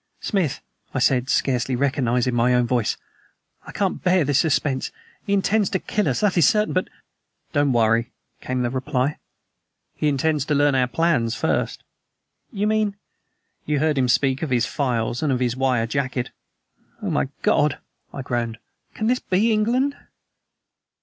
"Smith," I said, scarcely recognizing my own voice, "I can't bear this suspense. He intends to kill us, that is certain, but " "Don't worry," came the reply; "he intends to learn our plans first." "You mean ?" "You heard him speak of his files and of his wire jacket?" "Oh, my God!" I groaned; "can this be England?"